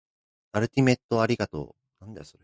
アルティメットありがとう